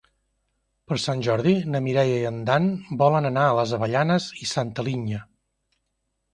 Per Sant Jordi na Mireia i en Dan volen anar a les Avellanes i Santa Linya.